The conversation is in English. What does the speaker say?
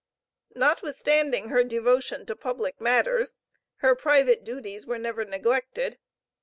Notwithstanding her devotion to public matters her private duties were never neglected.